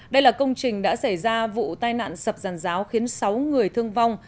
đây là công trình đã xảy ra vụ tai nạn sập giàn giáo khiến sáu người thương vong